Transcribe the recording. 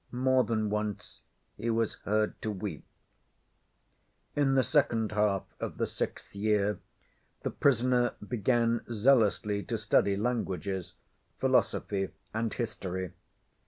More than once he was heard to weep. In the second half of the sixth year, the prisoner began zealously to study languages, philosophy, and history.